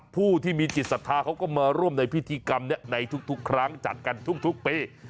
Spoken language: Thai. ผู้ที่มีจิตศรัทธาเขาก็มาร่วมในพิธีกรรมนี้ในทุกครั้งจัดกันทุกปี